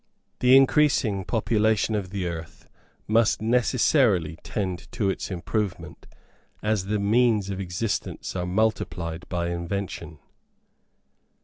The increasing population of the earth must necessarily tend to its improvement, as the means of existence are multiplied by invention.